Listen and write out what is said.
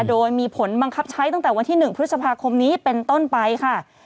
โดยมีผลบังคับใช้ตั้งแต่วันที่๑พฤษภาคมนี้เป็นต้นไปค่ะ